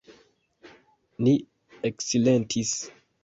Ni eksilentis.